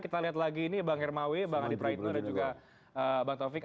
kita lihat lagi ini bang hermawet bang adit reitner dan juga bang taufik